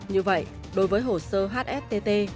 như vậy đối với hồ sơ hstt